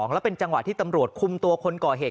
แล้วเป็นจังหวะที่ตำรวจคุมตัวคนก่อเหตุ